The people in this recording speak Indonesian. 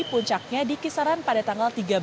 puncaknya dikisaran pada tanggal